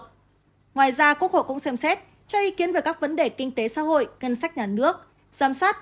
ngoài ra quốc hội cũng xem xét cho ý kiến về các vấn đề kinh tế xã hội ngân sách nhà nước giám sát